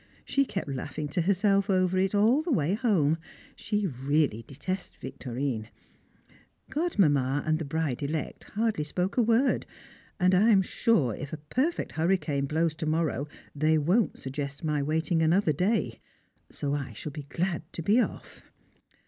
She kept laughing to herself over it all the way home; she really detests Victorine. Godmamma and the bride elect hardly spoke a word, and I am sure if a perfect hurricane blows to morrow, they won't suggest my waiting another day, so I shall be glad to be off.